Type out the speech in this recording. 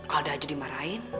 alda aja dimarahin